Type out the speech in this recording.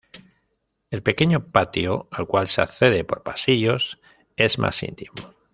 El pequeño patio al cual se accede por pasillos es más íntimo.